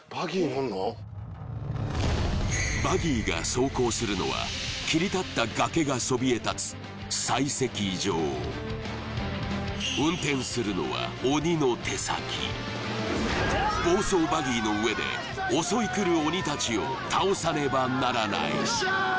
バギーが走行するのは切り立った崖がそびえ立つ採石場運転するのは鬼の手先暴走バギーの上で襲いくる鬼たちを倒さねばならないしゃー！